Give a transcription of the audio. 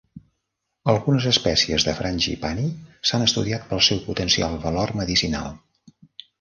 Algunes espècies de "frangipani" s'han estudiat pel seu potencial valor medicinal.